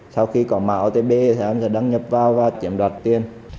sau khi có mạo tên b thì em sẽ đăng nhập vào và chiếm đoạt tiền